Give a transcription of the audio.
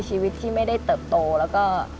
ชีวิตที่ไม่ได้เติบโตแล้วก็